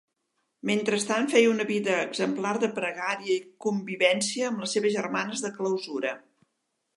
Mentrestant, feia una vida exemplar de pregària i convivència amb les seves germanes de clausura.